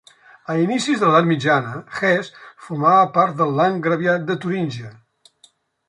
A inicis de l'edat mitjana, Hesse formava part del Landgraviat de Turíngia.